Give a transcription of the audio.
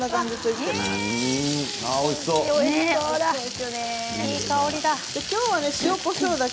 いい香りだ。